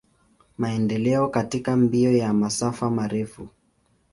Maendeleo katika mbio ya masafa marefu.